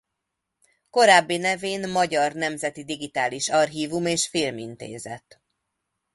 Korábbi nevén Magyar Nemzeti Digitális Archívum és Filmintézet.